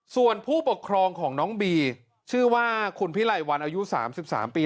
ส่วนผู้ปกครองของน้องบีชื่อว่าคุณพิไลวันอายุ๓๓ปี